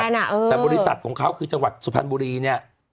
ตัวแทนอะเออแต่บริษัทของเขาคือจังหวัดสุภัณฑ์บุรีเนี่ย